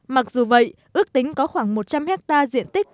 mặc dù vậy ước tính có khoảng một trăm linh hectare diện tích